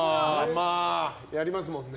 まあ、やりますもんね。